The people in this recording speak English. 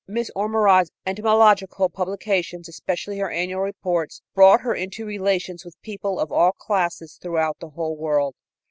Miss Ormerod's entomological publications, especially her annual reports, brought her into relations with people of all classes throughout the whole world.